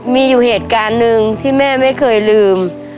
มีอยู่เหตุการณ์หนึ่งที่แม่ไม่เคยลืม